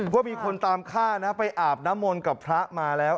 ว่ามีคนตามฆ่านะไปอาบน้ำมนต์กับพระมาแล้ว